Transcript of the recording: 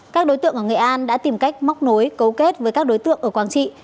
các đối tượng ở nghệ an đã tìm cách móc nối cấu kết với các đối tượng ở quảng trị